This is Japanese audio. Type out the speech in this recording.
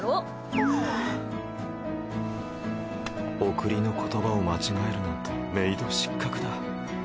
送りの言葉を間違えるなんてメイド失格だ。